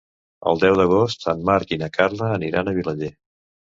El deu d'agost en Marc i na Carla aniran a Vilaller.